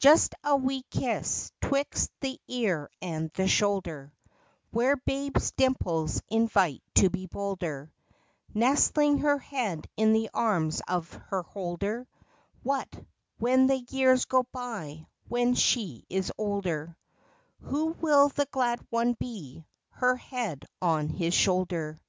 3 ust a wee kiss 'twixt the ear and the shoulder Where baby's dimples invite to be bolder, Nestling her head in the arms of her holder, What, when the years go by, when she is older, Who will the glad one be— her head on his shoulder?